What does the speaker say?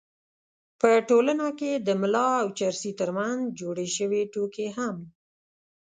په ټولنه کې د ملا او چرسي تر منځ جوړې شوې ټوکې هم